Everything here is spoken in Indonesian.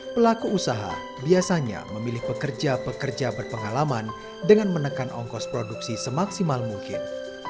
pelaku usaha biasanya memilih pekerja pekerja berpengalaman dengan menekan ongkos produksi semaksimal mungkin